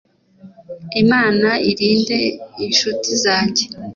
imana irinde inshuti zanjye;